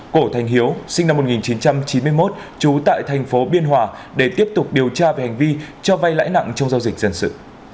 cổ thành hiếu sinh năm một nghìn chín trăm chín mươi một trú tại thành phố biên hòa để tiếp tục điều tra về hành vi cho vay lãi nặng trong giao dịch dân sự